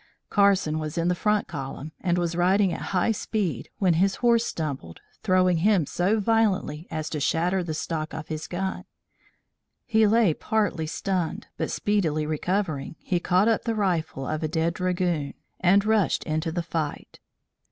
Carson was in the front column, and was riding at high speed, when his horse stumbled, throwing him so violently as to shatter the stock of his gun. He lay partly stunned but speedily recovering, he caught up the rifle of a dead dragoon and rushed into the fight.